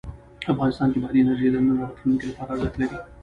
افغانستان کې بادي انرژي د نن او راتلونکي لپاره ارزښت لري.